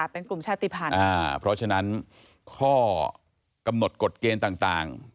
เพราะฉะนั้นข้อกำหนดกฎเกณฑ์ต่าง